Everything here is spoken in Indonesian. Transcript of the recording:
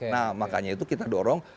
nah makanya itu kita dorong